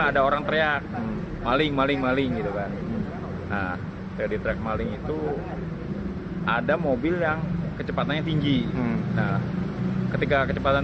ada orang teriak maling maling maling itu ada mobil yang kecepatannya tinggi ketika kecepatan